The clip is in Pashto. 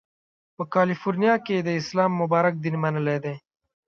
په کالیفورنیا کې یې اسلام مبارک دین منلی دی.